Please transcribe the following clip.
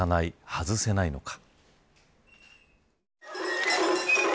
外せないのか。